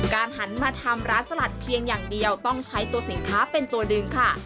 หันมาทำร้านสลัดเพียงอย่างเดียวต้องใช้ตัวสินค้าเป็นตัวดึงค่ะ